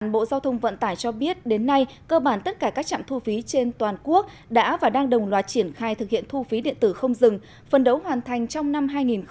bộ giao thông vận tải cho biết đến nay cơ bản tất cả các trạm thu phí trên toàn quốc đã và đang đồng loạt triển khai thực hiện thu phí điện tử không dừng phần đấu hoàn thành trong năm hai nghìn hai mươi